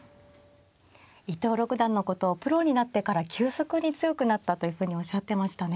伊藤六段のことをプロになってから急速に強くなったというふうにおっしゃってましたね。